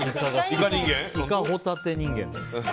イカホタテ人間。